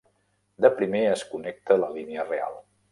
De primer, es connecta la línia real.